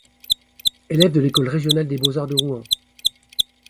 Élève de l'École régionale des Beaux-arts de Rouen.